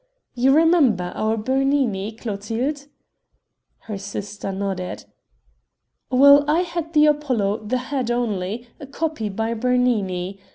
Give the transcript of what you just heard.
"You remember our Bernini, Clotilde?" Her sister nodded. "Well, I had the Apollo, the head only, a copy by Bernini.